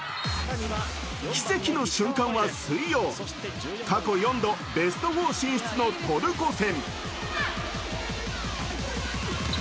奇跡の瞬間は、水曜過去４度、ベスト４進出のトルコ戦。